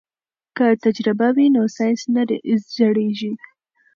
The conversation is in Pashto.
که تجربه وي نو ساینس نه زړیږي.